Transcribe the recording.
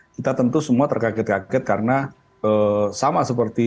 kita tentu semua terkaget kaget karena sama seperti